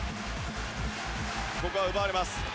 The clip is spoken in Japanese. ここは奪われます。